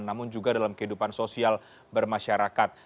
namun juga dalam kehidupan sosial bermasyarakat